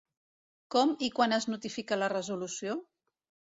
Com i quan es notifica la resolució?